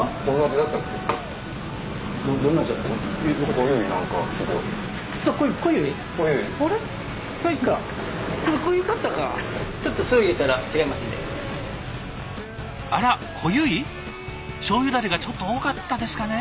だれがちょっと多かったですかね。